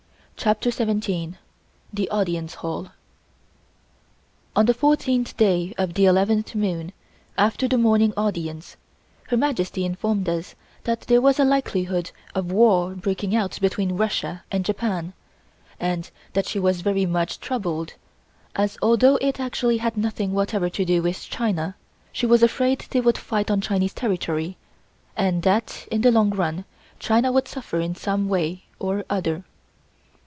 CHAPTER SEVENTEEN THE AUDIENCE HALL ON the fourteenth day of the eleventh moon, after the morning audience, Her Majesty informed us that there was a likelihood of war breaking out between Russia and Japan and that she was very much troubled, as although it actually had nothing whatever to do with China, she was afraid they would fight on Chinese territory and that in the long run China would suffer in some way or other.